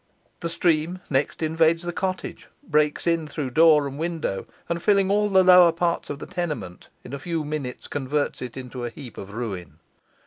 The stream next invades the cottage, breaks in through door and window, and filling all the lower part of the tenement, in a few minutes converts it into a heap of ruin.